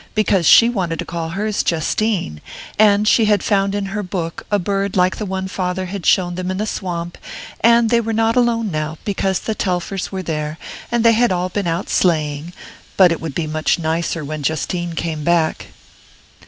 because she wanted to call hers Justine; and she had found in her book a bird like the one father had shown them in the swamp; and they were not alone now, because the Telfers were there, and they had all been out sleighing; but it would be much nicer when Justine came back....